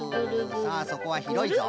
さあそこはひろいぞ！